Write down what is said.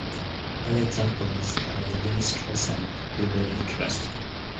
Early examples are the Guinness Trust and Peabody Trust.